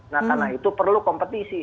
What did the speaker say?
nah karena itu perlu kompetisi